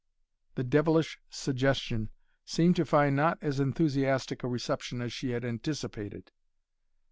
The devilish suggestion seemed to find not as enthusiastic a reception as she had anticipated.